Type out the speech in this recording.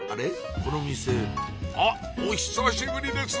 この店あっお久しぶりです